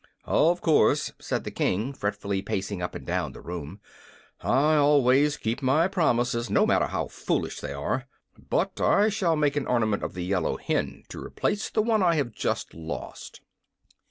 "Of course," said the King, fretfully pacing up and down the room. "I always keep my promises, no matter how foolish they are. But I shall make an ornament of the yellow hen to replace the one I have just lost."